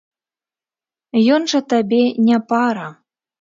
Ён жа табе не пара.